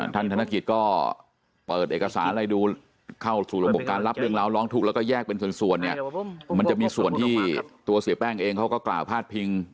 ธนกิจก็เปิดเอกสารอะไรดูเข้าสู่ระบบการรับเรื่องราวร้องทุกข์แล้วก็แยกเป็นส่วนเนี่ยมันจะมีส่วนที่ตัวเสียแป้งเองเขาก็กล่าวพาดพิง